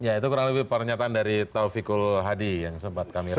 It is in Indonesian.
ya itu kurang lebih pernyataan dari taufikul hadi yang sempat kami revi